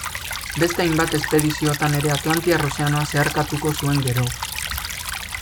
Beste hainbat espediziotan ere Atlantiar Ozeanoa zeharkatuko zuen gero.